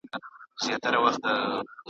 په تورونو کي سل ګونه تپېدله .